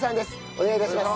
お願い致します。